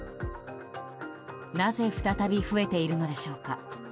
なぜ再び増えているのでしょうか。